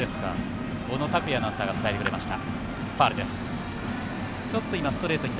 小野卓哉アナウンサーが伝えてくれました。